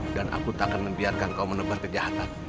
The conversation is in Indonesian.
dan aku tak akan membiarkan kau menebar kejahatan